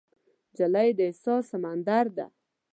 نجلۍ د احساس سمندر ده.